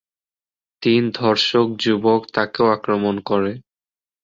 তিন ধর্ষক যুবক তাকেও আক্রমণ করে।